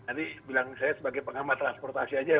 nanti bilang saya sebagai pengamat transportasi aja